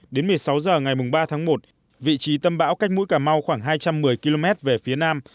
đến một mươi sáu h ngày ba tháng một vị trí tâm bão cách mũi cà mau khoảng hai trăm một mươi km về phía nam